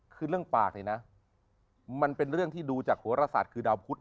คือเรื่องปากเนี่ยนะมันเป็นเรื่องที่ดูจากโหรศาสตร์คือดาวพุทธ